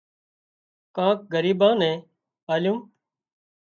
ڪانڪ ڳريٻان نين آليون